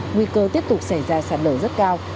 nguy cơ tiếp tục xảy ra sạt lở rất cao